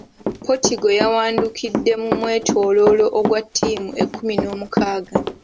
Portugal yawandukidde ku mwetooloolo ogwa ttiimu ekkumi n’omukaaga.